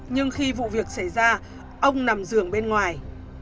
nhưng khi vụ việc xảy ra ông nằm giường bên ngoài